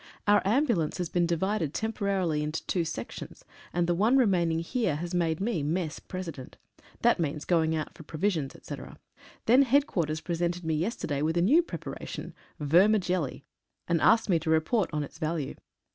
Our ambulance has been divided temporarily into two sections, and the one re maining here made me Mess President. That means going out for provisions, etc. Then headquarters pre sented me yesterday with a new preparation — "Vermi jelli" — and asked me to report on its value.